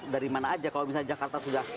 dari mana aja kalau misalnya jakarta sudah